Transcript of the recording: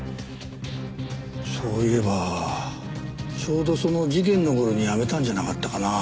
そういえばちょうどその事件の頃に辞めたんじゃなかったかな。